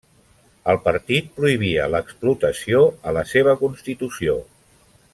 El partit prohibia l'explotació a la seva constitució.